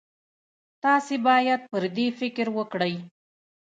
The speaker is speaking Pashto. تاسې باید پر دې فکر وکړئ.